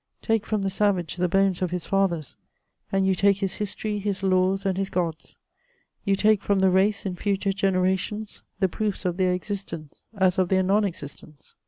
Take from tho savage the bones or his fathers, and you take his history, his laws, and his gods ; y(5u take from the race, in future generations, the proofs of their existence, as of their non existence.